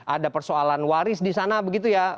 ada persoalan waris di sana begitu ya